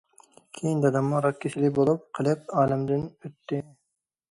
كېيىن داداممۇ راك كېسىلى بولۇپ قېلىپ ئالەمدىن ئۆتتى.